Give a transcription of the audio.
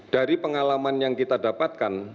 dari pengalaman yang kita dapatkan